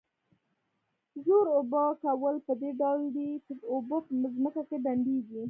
ژور اوبه کول په دې ډول دي چې اوبه په ځمکه کې ډنډېږي.